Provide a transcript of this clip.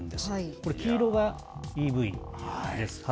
これ、黄色がＥＶです。